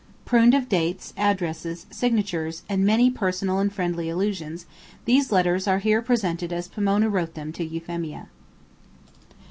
Pruned of dates, addresses, signatures, and of many personal and friendly allusions, these letters are here presented as Pomona wrote them to Euphemia.